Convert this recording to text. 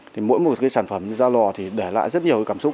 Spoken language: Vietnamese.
thì mỗi một cái sản phẩm ra lò thì để lại rất nhiều cái cảm xúc